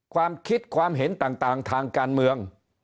ความคิดความเห็นต่างทางการเมือง